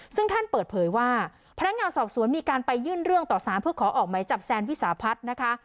ซึ่งท่านเปิดเผยว่าพนักงานสอบสวนมีการไปยื่นเรื่องต่อสารเพื่อขอออกไหมจับแซนวิสาพัฒน์นะคะ